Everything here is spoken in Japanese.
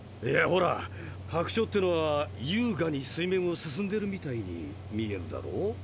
いやほらハクチョウってのはゆうがに水面を進んでるみたいに見えるだろ。